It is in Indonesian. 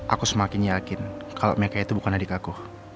aku semakin yakin kalau mereka itu bukan adik aku